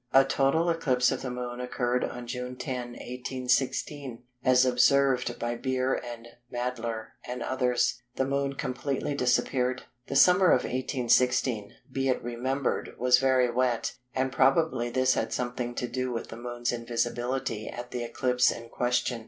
A total eclipse of the Moon occurred on June 10, 1816. As observed by Beer and Mädler and others, the Moon completely disappeared. The summer of 1816, be it remembered, was very wet, and probably this had something to do with the Moon's invisibility at the eclipse in question.